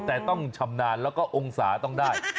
แต่ต้องชำนาญแล้วก็องศาต้องได้